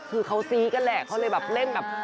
คือเขาซี้กันแหละเขาเลยแบบเล่นแบบ